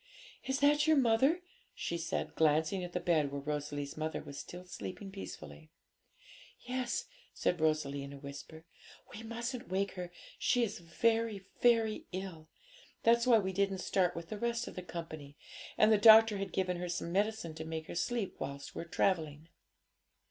'Is that your mother?' she said, glancing at the bed where Rosalie's mother was still sleeping peacefully. 'Yes,' said Rosalie in a whisper; 'we mustn't wake her, she is very, very ill. That's why we didn't start with the rest of the company; and the doctor has given her some medicine to make her sleep whilst we're travelling.'